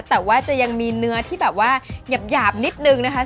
แต่ว่าจะยังมีเนื้อที่แบบว่าหยาบนิดนึงนะคะ